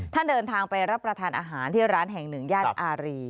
เดินทางไปรับประทานอาหารที่ร้านแห่งหนึ่งย่านอารี